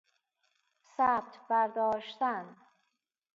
ثبت بر داشتن